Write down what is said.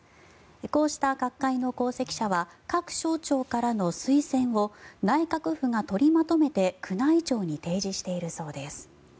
こうした各界の功績者は各省庁からの推薦を内閣府が取りまとめて宮内庁に提示しているそうです。